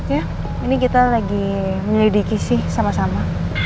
ya ini kita lagi menyelidiki sih sama sama